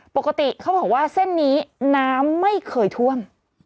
ปกติเขาบอกว่าเส้นนี้น้ำไม่เคยท่วม